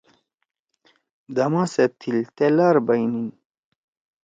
دما سیت تِل۔ تأ لار بئینیِن۔